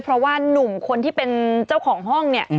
เพราะว่านุ่มคนที่เป็นเจ้าของห้องเนี่ย